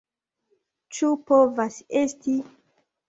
Ĉu povas esti?